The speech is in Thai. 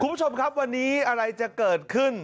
คุณผู้ชมครับวันนี้อะไรจะเกิดขึ้น